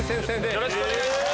よろしくお願いします。